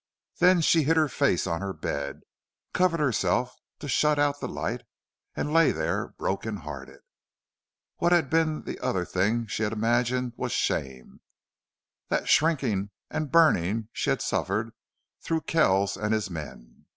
Then she hid her face on her bed, covered herself to shut out the light, and lay there, broken hearted. What had been that other thing she had imagined was shame that shrinking and burning she had suffered through Kells and his men?